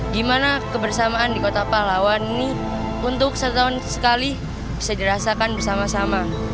gimana kebersamaan di kota pahlawan ini untuk satu tahun sekali bisa dirasakan bersama sama